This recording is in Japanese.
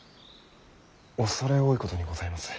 恐れ多いことにございます。